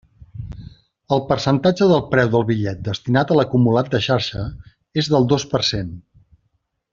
El percentatge del preu del bitllet destinat a l'acumulat de xarxa és del dos per cent.